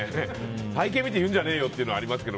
体形見て言うんじゃねえよっていうのはありますけど。